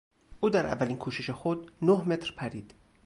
او در اولین کوشش خود نه متر پرید.